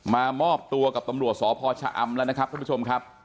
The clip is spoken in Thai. มอบตัวกับตำรวจสพชะอำแล้วนะครับท่านผู้ชมครับ